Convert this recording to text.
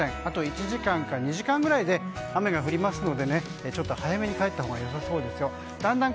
あと１時間か２時間ぐらいで雨が降りますのでちょっと早めに帰ったほうが良さそうですよ